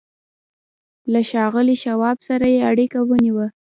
له ښاغلي شواب سره يې اړيکه ونيوه.